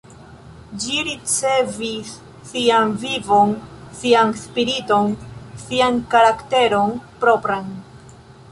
Ĝi ricevis sian vivon, sian spiriton, sian karakteron propran.